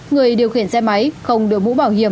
người điều khiển xe máy không đội mũ bảo hiểm